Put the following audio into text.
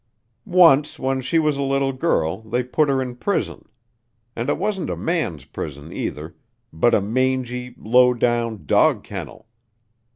"Once, when she was a little girl, they put her in prison. And it wasn't a man's prison either, but a mangy, low down, dog kennel.